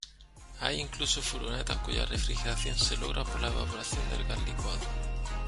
Hay incluso furgonetas cuya refrigeración se logra por la evaporación del gas licuado.